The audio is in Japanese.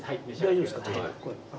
大丈夫です。